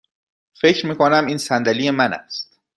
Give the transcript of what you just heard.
فکر می کنم این صندلی من است.